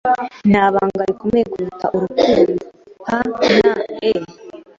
Nta banga rikomeye mubuzima kuruta urukundo. (pne)